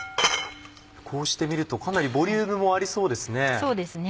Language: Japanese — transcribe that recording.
こうして見るとかなりボリュームもありそうですね。